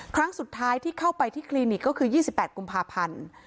ครั้งสุดท้ายที่เข้าไปที่คลินิกก็คือ๒๘กุมภาพันธ์